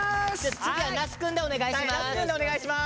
次は那須くんでお願いします。